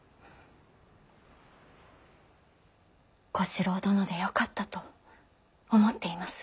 小四郎殿でよかったと思っています。